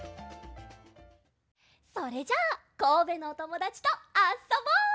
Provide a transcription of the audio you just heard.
それじゃあこうべのおともだちとあっそぼう！